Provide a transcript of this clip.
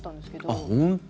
あっ、本当。